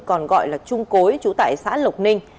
còn gọi là trung cối trú tại xã lộc ninh